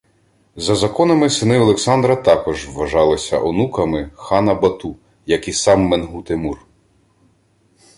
За законами, сини Олександра також вважалися онуками хана Бату, як і сам Менгу-Тимур